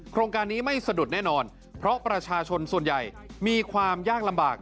โครงการนี้ไม่สะดุดแน่นอนเพราะประชาชนส่วนใหญ่มีความยากลำบาก